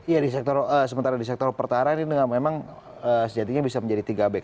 iya di sektor sementara di sektor pertahanan ini memang sejatinya bisa menjadi tiga back